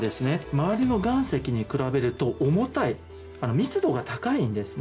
周りの岩石に比べると重たい密度が高いんですね。